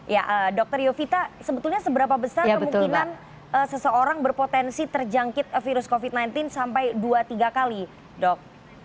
ya dokter yovita sebetulnya seberapa besar kemungkinan seseorang berpotensi terjangkit virus covid sembilan belas sampai dua tiga kali dok